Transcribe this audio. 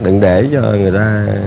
đừng để cho người ta